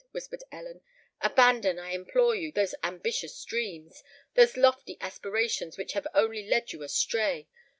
whispered Ellen: "abandon, I implore you, those ambitious dreams—those lofty aspirations which have only led you astray!